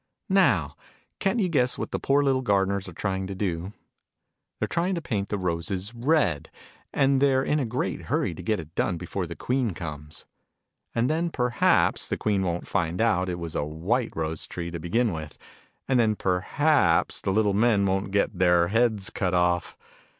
Now ca'n't you guess what the poor little gardeners are trying to do ? They're trying to paint the roses red, and they're in a great hurry to get it done before the Queen comes. And then perhaps the Queen won't find out it was a white rose tree to begin with : and then perhaps the little men won't get their heads cut off